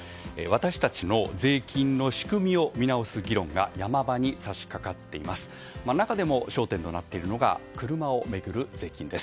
私たちの税金の仕組みを見直す議論が山場に差し掛かっています。